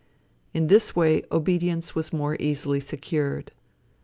In this way obedience was more easily secured.